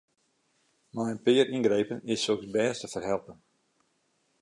Mei in pear yngrepen is soks bêst te ferhelpen.